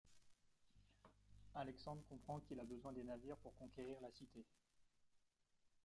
Alexandre comprend qu'il a besoin des navires pour conquérir la cité.